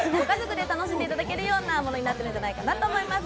家族で楽しんでいただけるようなものになっていると思います。